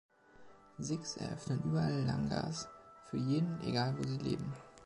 Sikhs eröffnen überall Langars für jeden, egal, wo sie leben.